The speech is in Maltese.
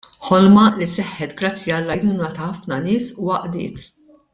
Ħolma li seħħet grazzi għall-għajnuna ta' ħafna nies u għaqdiet.